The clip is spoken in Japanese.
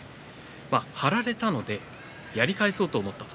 張られたのでやり返そうと思った。